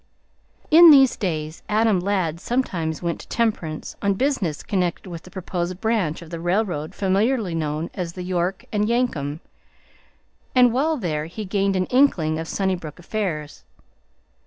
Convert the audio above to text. In these days Adam Ladd sometimes went to Temperance on business connected with the proposed branch of the railroad familiarly known as the "York and Yank 'em," and while there he gained an inkling of Sunnybrook affairs.